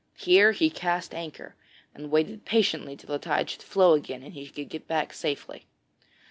Here he cast anchor, and waited patiently till the tide should flow again and he could get back safely.